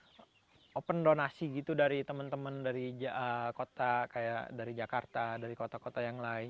saya juga mendapatkan ulasan dari teman teman dari kota jakarta dan kota kota yang lain